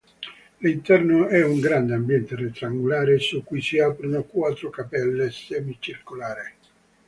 L'interno è un grande ambiente rettangolare su cui si aprono quattro cappelle semicircolari.